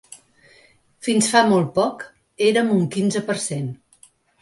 Fins fa molt poc, érem un quinze per cent.